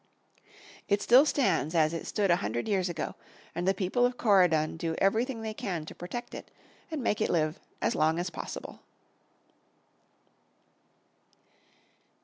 It still stands as it stood a hundred years ago, and the people of Corydon do everything they can to protect it, and make it live as long as possible.